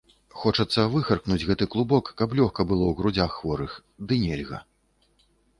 Хочацца выхаркнуць гэты клубок, каб лёгка было ў грудзях хворых, ды нельга.